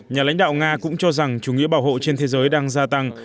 nhà lãnh đạo nga cũng cho rằng chủ nghĩa bảo hộ trên thế giới đang gia tăng